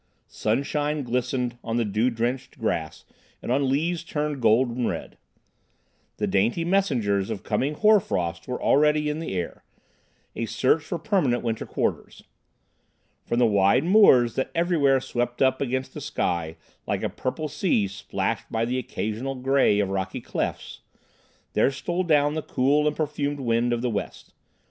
Sunshine glistened on the dew drenched grass and on leaves turned golden red. The dainty messengers of coming hoar frost were already in the air, a search for permanent winter quarters. From the wide moors that everywhere swept up against the sky, like a purple sea splashed by the occasional grey of rocky clefts, there stole down the cool and perfumed wind of the west.